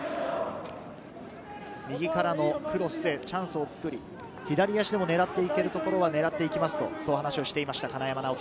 右からのクロスでチャンスをつくり、右足でも狙って行けるところは狙っていきますと話をしていました。